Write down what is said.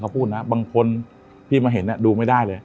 เขาพูดนะบางคนที่มาเห็นดูไม่ได้เลย